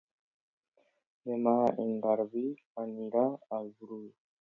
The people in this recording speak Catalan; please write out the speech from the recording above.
Demà en Garbí anirà al Brull.